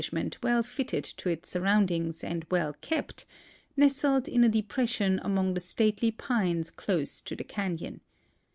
hment well fitted to its surroundings and well kept— nestled in a depres sion among the stately pines close to the canon.